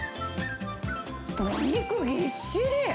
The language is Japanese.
お肉ぎっしり！